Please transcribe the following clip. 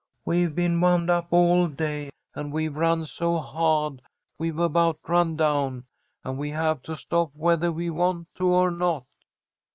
We've been wound up all day, and we've run so hah'd we've about run down, and we have to stop whethah we want to or not."